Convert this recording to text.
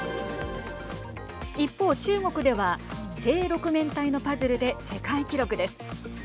一方、中国では正六面体のパズルで世界記録です。